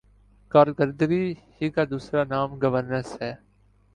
کارکردگی ہی کا دوسرا نام گورننس ہے۔